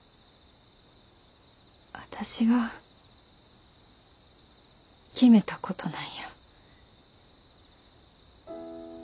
私が決めたことなんや。